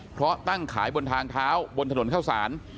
เพราะตั้งขายโดดทางเท้าโดดทางถนนเข้าสาร